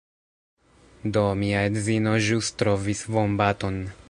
Do, mia edzino ĵus trovis vombaton.